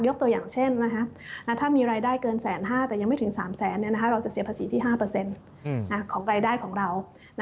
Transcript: ยกตัวอย่างเช่นถ้ามีรายได้เกินแสนห้าแต่ยังไม่ถึงสามแสนเราจะเสียภาษีที่ห้าเปอร์เซ็นต์ของรายได้ของเรา